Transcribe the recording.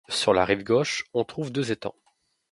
Sur la rive gauche, on trouve deux étangs.